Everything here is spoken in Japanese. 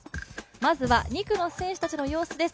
まずは２区の選手たちの様子です。